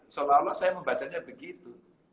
seolah olah saya membacanya begitu